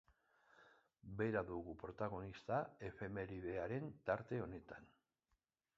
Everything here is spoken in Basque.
Bera dugu protagonista, efemeridearen tarte honetan.